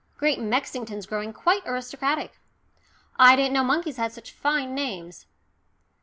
Great Mexington's growing quite aristocratic. I didn't know monkeys had such fine names."